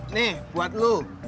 nih buat lu